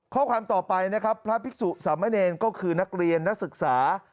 ข้อความต่อไปนะครับพระภิกษุสามเณรก็คือนักเรียนนักศึกษา